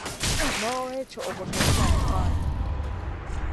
Noolwekyo ogwo teguba mukwano.